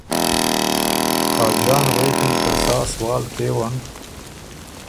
خاجان غوېکِن که سا سوال کېون